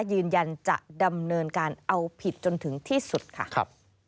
ยืนยันจะดำเนินการเอาผิดจนถึงที่สุดค่ะ